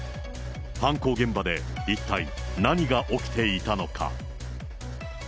犯行現場で一体何が起きていたのか。